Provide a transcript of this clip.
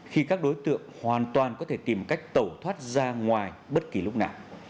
khi các đối tượng hoàn toàn có thể tìm cách tẩu thoát ra ngoài bất kỳ lúc nào